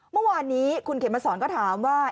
เมื่อวานนี้คุณเขมสอนก็ถามว่า